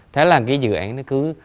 thế là cái dự án nó cứ